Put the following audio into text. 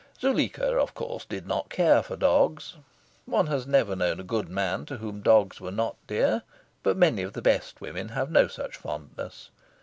Zuleika, of course, did not care for dogs. One has never known a good man to whom dogs were not dear; but many of the best women have no such fondness.